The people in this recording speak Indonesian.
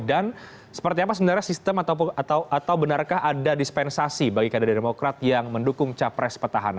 dan seperti apa sebenarnya sistem atau benarkah ada dispensasi bagi kader demokrat yang mendukung capres petahan